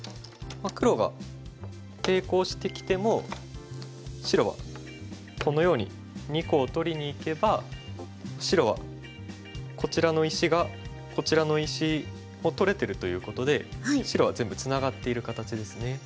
黒が抵抗してきても白はこのように２個を取りにいけば白はこちらの石がこちらの石を取れてるということで白は全部ツナがっている形ですね。